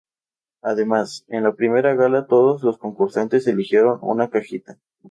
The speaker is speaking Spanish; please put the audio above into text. Además, en la primera gala todos los concursantes eligieron una cajita.